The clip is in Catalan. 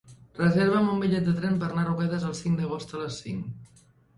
Reserva'm un bitllet de tren per anar a Roquetes el cinc d'agost a les cinc.